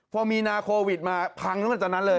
พอมีนาโควิดมาพังตั้งแต่ตอนนั้นเลย